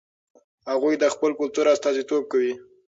هغوی د خپل کلتور استازیتوب کوي.